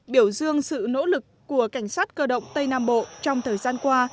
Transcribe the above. biểu dương sự nỗ lực của cảnh sát cơ động tây nam bộ trong thời gian qua